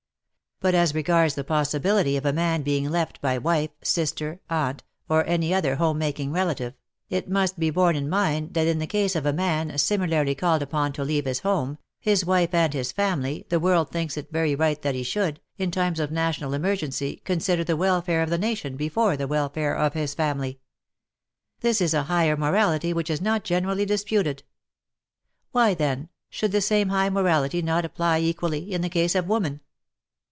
But as regards the possibility of a man being left by wife, sister, aunt or any other home making relative, it must be borne in mind that in the case of a man similarly called upon to leave his home, his wife and his family, the world thinks it very right that he should, in times of national emergency, consider the welfare of the nation before the welfare of his family. This is a higher morality which is not generally disputed. Why, then, should the same high morality not apply equally in the case of woman